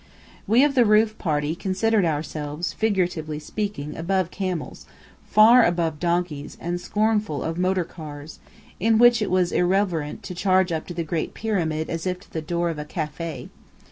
We of the roof party considered ourselves, figuratively speaking, above camels, far above donkeys, and scornful of motor cars, in which it was irreverent to charge up to the Great Pyramid as if to the door of a café.